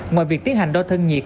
ngoài việc tiến hành đo thân nhiệt